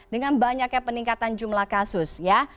dengan banyaknya peningkatan jumlah kasus ya